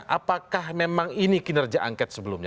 apakah memang ini kinerja angket sebelumnya